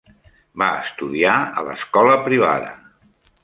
Va estudiar a l'escola privada.